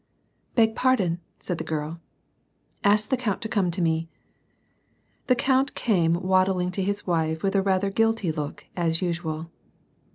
" Beg pardon," said the girl. "Ask the count to come to me." The count came waddling to his wife with a rather guilty look, as usual.